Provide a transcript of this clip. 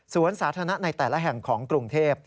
สาธารณะในแต่ละแห่งของกรุงเทพ